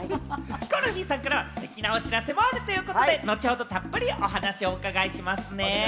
ヒコロヒーさんからステキなお知らせもあるということで、後ほどたっぷりお話をお伺いしますね。